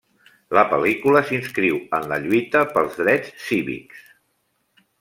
La pel·lícula s'inscriu en la lluita pels drets cívics.